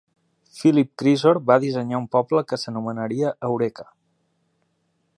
Philip Creasor va dissenyar un poble que s'anomenaria Eureka.